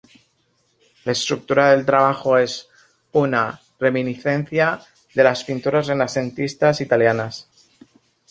La estructura del trabajo es una reminiscencia de las pinturas renacentistas italianas.